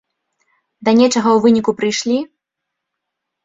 Да нечага ў выніку прыйшлі?